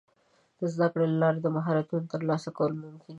د زده کړې له لارې د مهارتونو ترلاسه کول ممکن دي.